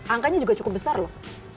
angkanya juga cukup besar loh